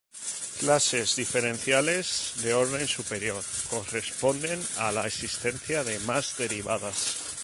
Clases diferenciales de orden superior corresponden a la existencia de más derivadas.